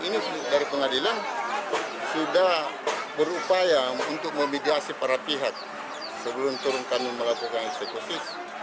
ini dari pengadilan sudah berupaya untuk memigrasi para pihak sebelum turunkan melakukan eksekusi